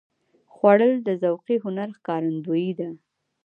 خوړل د ذوقي هنر ښکارندویي ده